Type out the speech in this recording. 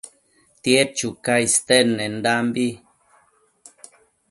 tied chuca istenendambi